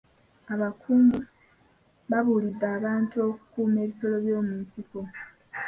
Abakungu babuulidde abantu okukuuma ebisolo by'omu nsiko.